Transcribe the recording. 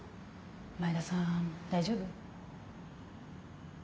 前田さん大丈夫？